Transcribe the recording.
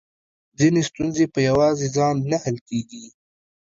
ځينې ستونزې په يواځې ځان نه حل کېږي .